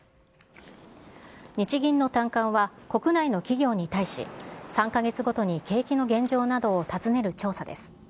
日銀の短観は、国内の企業に対し、３か月ごとに景気の現状などを尋ねる調査です。